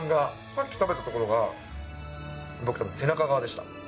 さっき食べたところが僕たぶん、背中側でした。